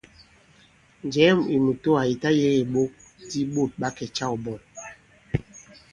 Njɛ̀ɛ ì mùtoà ì ta-yēgē ìɓok di ɓôt ɓa kè-câw bɔ̂l.